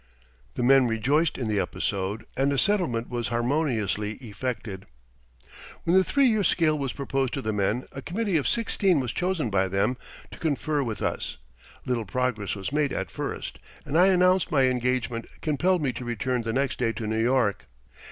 The men rejoiced in the episode and a settlement was harmoniously effected. When the three years' scale was proposed to the men, a committee of sixteen was chosen by them to confer with us. Little progress was made at first, and I announced my engagements compelled me to return the next day to New York.